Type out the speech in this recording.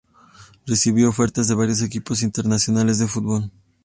Recibió ofertas de varios equipos internacionales de fútbol.